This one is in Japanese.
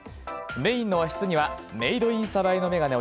メインの和室にはメイドイン鯖江のめがね